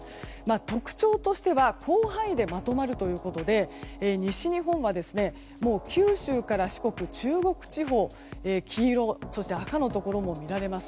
特徴としては広範囲でまとまるということで西日本は九州から四国中国地方で黄色、赤のところも見られます。